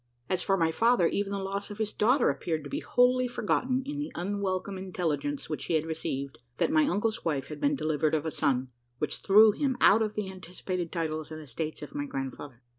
As for my father, even the loss of his daughter appeared to be wholly forgotten in the unwelcome intelligence which he had received, that my uncle's wife had been delivered of a son, which threw him out of the anticipated titles and estates of my grandfather.